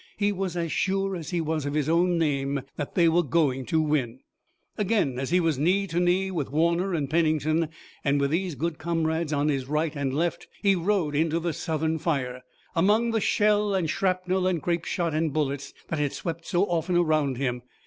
He was as sure as he was of his own name that they were going to win. Again he was knee to knee with Warner and Pennington, and with these good comrades on his right and left he rode into the Southern fire, among the shell and shrapnel and grapeshot and bullets that had swept so often around him.